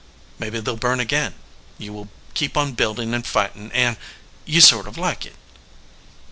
Maybe they ll burn again. You will keep on buildin and fightin and you sort of like it."